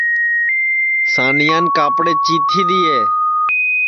سانیان کاپڑے چیتھی دؔیئے